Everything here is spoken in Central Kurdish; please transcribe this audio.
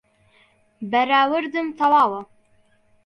بەراوردم تەواوە